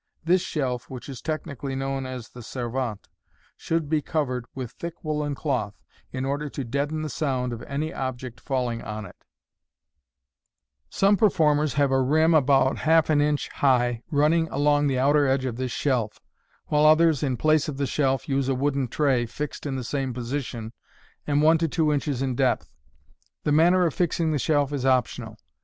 This shelf, which is technically known as the servante, should be covered with thick woollen cloth, in order to deaden the sound of any object falling on it Some performers have a rim about half an inch high running along the outer edge of this shelf j while others, in place of the shelf, use a wooden tray, fixed in the same position, and one to two inches in depth. The manner of fixing the shelf is optional.